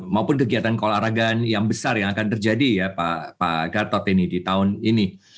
maupun kegiatan keolahragaan yang besar yang akan terjadi ya pak gatot ini di tahun ini